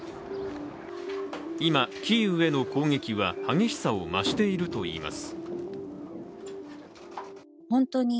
今、キーウへの攻撃は激しさを増しているといいます。